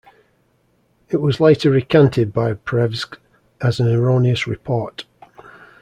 It was later recanted by Prevx as an erroneous report.